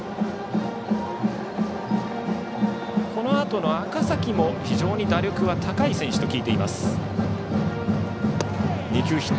このあとの赤嵜も非常に打力は高い選手と聞いています。